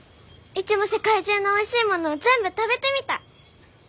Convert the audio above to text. うちも世界中のおいしいもの全部食べてみたい！